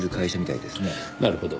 なるほど。